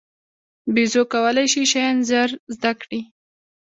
بیزو کولای شي شیان ژر زده کړي.